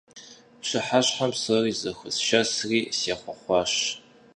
Пщыхьэщхьэм псори зэхуэсшэсри сехъуэхъуащ.